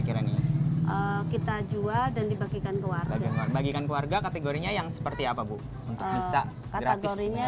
kiranya kita jual dan dibagikan keluarga bagikan keluarga kategorinya yang seperti apa bu untuk bisa gratisnya